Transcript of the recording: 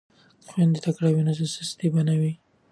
که خویندې تکړه وي نو سستي به نه وي.